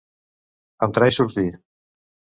Entrar i sortir.